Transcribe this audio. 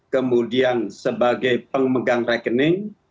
kemudian sebagai pemegang rekening